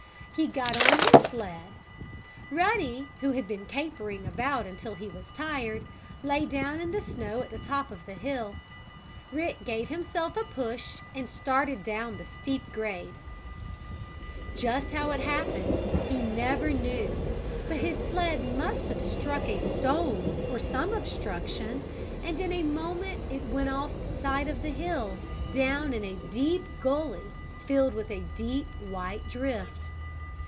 He got on his sled. Ruddy, who had been capering about until he was tired, lay down in the snow at the top of the hill. Rick gave himself a push and started down the steep grade. Just how it happened he never knew, but his sled must have struck a stone, or some obstruction, and in a moment it went off the side of the hill, down into a deep gully, filled with a deep, white drift.